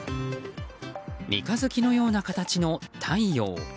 三日月のような形の太陽。